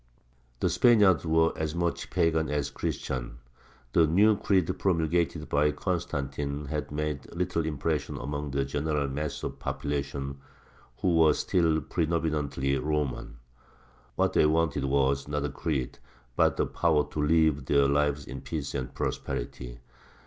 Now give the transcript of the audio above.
The Spaniards were as much pagan as Christian; the new creed promulgated by Constantine had made little impression among the general mass of the population, who were still predominantly Roman. What they wanted was, not a creed, but the power to live their lives in peace and prosperity.